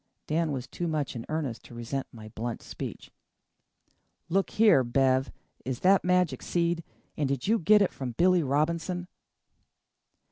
Dan was too much in earnest to resent my blunt speech. "Look here, Bev, is that magic seed? And did you get it from Billy Robinson?"